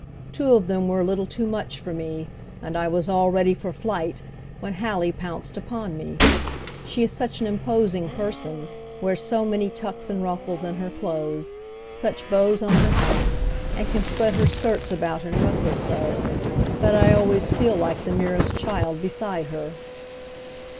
Two of them were a little too much for me, and I was all ready for flight when Hallie pounced upon me. She is such an imposing person, wears so many tucks and ruffles in her clothes, such bows on her hats, and can spread her skirts about and rustle so, that I always feel like the merest child beside her.